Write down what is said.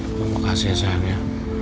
terima kasih ya sayang ya